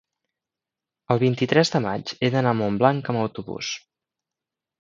el vint-i-tres de maig he d'anar a Montblanc amb autobús.